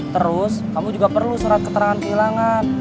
terus kamu juga perlu surat keterangan kehilangan